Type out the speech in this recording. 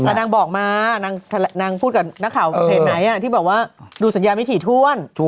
แต่นางบอกมานางพูดกับนักข่าวเพจไหนที่แบบว่าดูสัญญาไม่ถี่ถ้วน